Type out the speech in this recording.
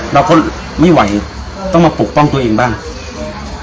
เราก็ไม่ไหวต้องมาปกป้องตัวเองบ้างอืม